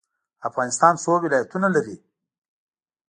افغانستان څو ولایتونه لري؟